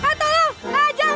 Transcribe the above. tolong ah jangan